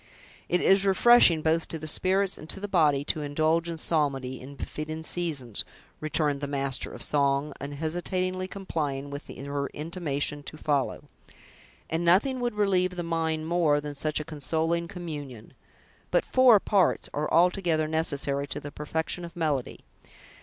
"It is refreshing both to the spirits and to the body to indulge in psalmody, in befitting seasons," returned the master of song, unhesitatingly complying with her intimation to follow; "and nothing would relieve the mind more than such a consoling communion. But four parts are altogether necessary to the perfection of melody.